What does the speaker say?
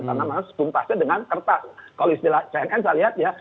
kalau istilah cnn saya lihat ya